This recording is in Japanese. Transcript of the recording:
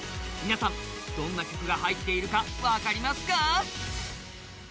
皆さん、どんな曲が入っているか分かりますか？